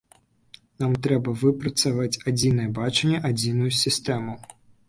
Нам трэба выпрацаваць адзінае бачанне, адзіную сістэму.